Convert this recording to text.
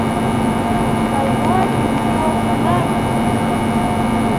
Kay wakin kiwakunaka